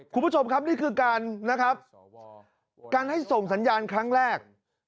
คุณผู้ชมครับนี่คือการให้ส่งสัญญาณครั้งแรก